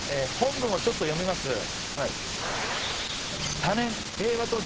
本文をちょっと読みます。